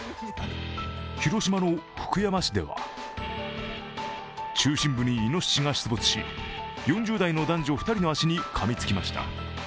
広島の福山市では中心部にイノシシが出没し４０代の男女２人の足にかみつきました。